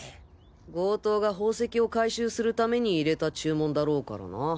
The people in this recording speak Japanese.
強盗が宝石を回収するために入れた注文だろうからな。